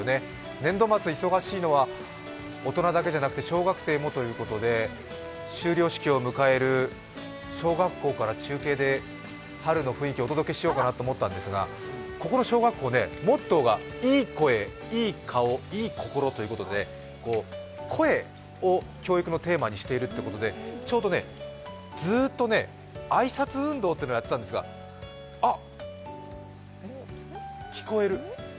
年度末忙しいのは大人だけじゃなくて小学生もということで修了式を迎える小学校から中継で春の雰囲気をお届けしようと思ったんですが、この小学校、モットーが、いい声、いい顔と声を教育のテーマにしているということであいさつ運動というのをやってたんですがあっ、聞こえる。